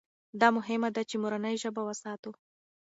دا مهمه ده چې مورنۍ ژبه وساتو.